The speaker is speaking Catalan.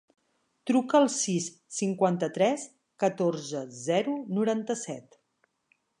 Truca al sis, cinquanta-tres, catorze, zero, noranta-set.